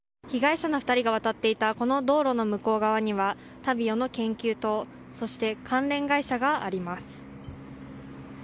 被害者の２人が渡っていたこの道路の向こう側にはタビオの研究棟そして、関連会社があります。